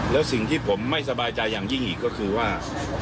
แล้วสิ่งที่ผมไม่สบายใจอย่างยิ่งอีกก็คือว่า